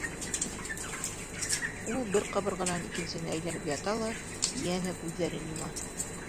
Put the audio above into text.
Ул бер ҡабырғанан икенсеһенә әйләнеп ята ла йәнә күҙҙәрен йома.